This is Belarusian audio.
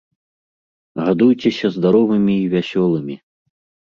Гадуйцеся здаровымі і вясёлымі!